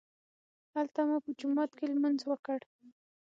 هلته مو په جومات کې لمونځ وکړ.